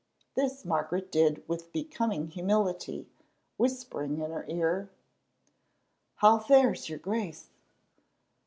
This Margaret did with becoming humility, whispering in her ear: "How fares your Grace?"